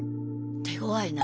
手ごわいな。